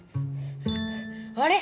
あれ？